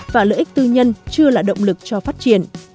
và lợi ích tư nhân chưa là động lực cho phát triển